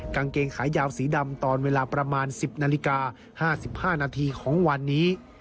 กางเกงขายาวสีดำตอนเวลาประมาณ๑๐นาฬิกา๕๕นาทีของวันนี้